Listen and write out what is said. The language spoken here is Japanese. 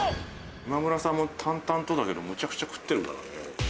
今村さんも淡々とだけどめちゃくちゃ食ってるからね。